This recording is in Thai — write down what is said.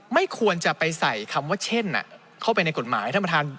ไม่ควรจะไปใส่คำว่าเช่นเข้าไปในกฎหมายท่านประธาน